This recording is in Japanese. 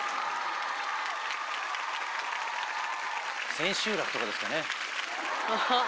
千秋楽とかですかね。